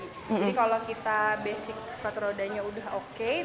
jadi kalau kita basic sepatu rodanya udah oke